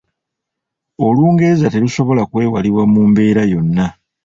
Olungereza terusobola kwewalibwa mu mbeera yonna.